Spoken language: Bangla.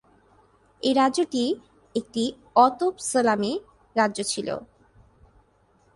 এই রাজ্যটি একটি অ-তোপ সেলামী রাজ্য ছিল।